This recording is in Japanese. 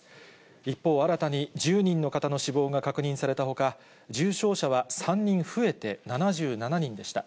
一方、新たに１０人の方の死亡が確認されたほか、重症者は３人増えて７７人でした。